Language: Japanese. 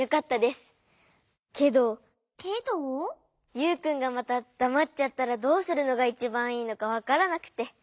ユウくんがまただまっちゃったらどうするのがいちばんいいのかわからなくて。